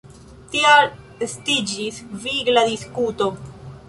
Tial estiĝis vigla diskuto.